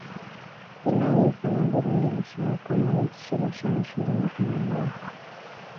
aa inayoifanya burundi licha ya kwamba haijashiriki mashindano kama hayo